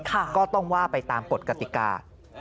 ก็ต้องว่าไปตามกฎกติกา